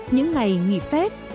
những ngày nghỉ phép